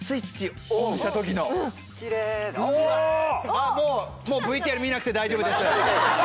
あっもうＶＴＲ見なくて大丈夫です。